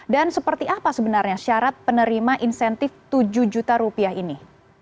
dan seperti apa sebenarnya syarat penerima insentif tujuh juta rupiah ini